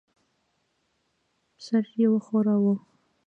سر یې وښوراوه.